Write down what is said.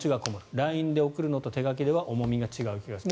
ＬＩＮＥで送るのと手書きでは重みが違う気がする。